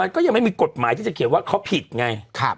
ก็ยังไม่มีกฎหมายที่จะเขียนว่าเขาผิดไง